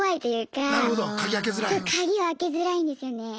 そう鍵開けづらいんですよね。